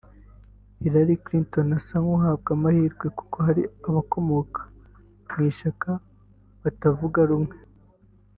Hillary Clinton asa n’uhabwa amahirwe kuko hari abakomoka mu ishyaka batavuga rumwe